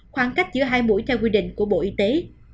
khoảng cách giữa hai mũi theo quy định của bộ y tế